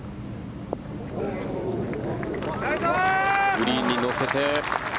グリーンに乗せて。